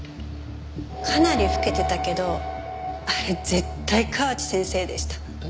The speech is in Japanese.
かなり老けてたけどあれ絶対河内先生でした。